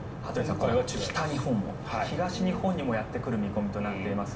今回は北日本にも東日本にもやってくる見込みとなっています。